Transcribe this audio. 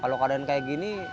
kalau keadaan kayak gini